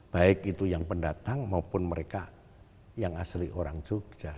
baik itu yang pendatang maupun mereka yang asli orang jogja